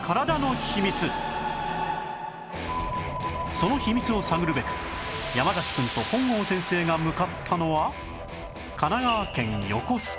その秘密を探るべく山崎くんと本郷先生が向かったのは